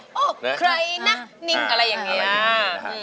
มีน่ะโอ้ใครน่ะนิ่งอะไรอย่างนี้